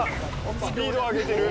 スピードを上げている。